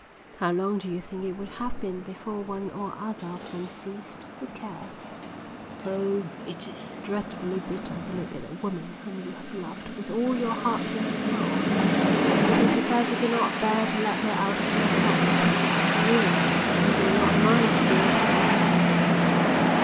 How long do you think it would have been before one or other of them ceased to care? Oh, it is dreadfully bitter to look at a woman whom you have loved with all your heart and soul, so that you felt you could not bear to let her out of your sight, and realise that you would not mind if you never saw her again.